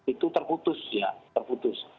itu terputus ya terputus